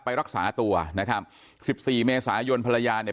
ไปรักษาตัวนะครับสิบสี่เมษายนภรรยาเนี่ย